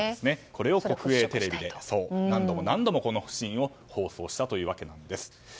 これを国営テレビで何度も何度も放送したというわけです。